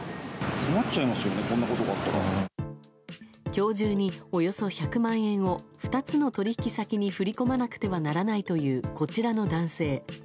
今日中に、およそ１００万円を２つの取引先に振り込まなくてならないというこちらの男性。